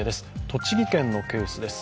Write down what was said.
栃木県のケースです。